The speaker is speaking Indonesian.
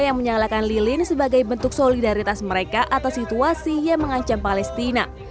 yang menyalakan lilin sebagai bentuk solidaritas mereka atas situasi yang mengancam palestina